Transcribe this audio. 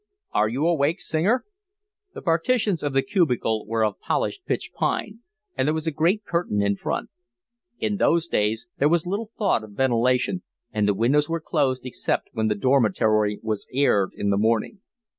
"Are you awake, Singer?" The partitions of the cubicle were of polished pitch pine, and there was a green curtain in front. In those days there was little thought of ventilation, and the windows were closed except when the dormitory was aired in the morning.